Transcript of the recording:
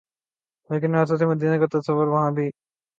لیکن ریاست مدینہ کا تصور وہاں بھی ناممکن ہے۔